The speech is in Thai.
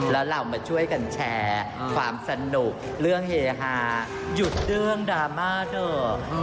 แล้วเรามาช่วยกันแชร์ความสนุกเรื่องเฮฮาหยุดเรื่องดราม่าเถอะ